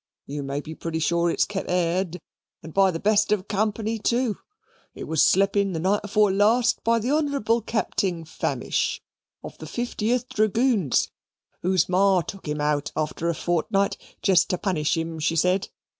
You may be pretty sure its kep aired, and by the best of company, too. It was slep in the night afore last by the Honorable Capting Famish, of the Fiftieth Dragoons, whose Mar took him out, after a fortnight, jest to punish him, she said.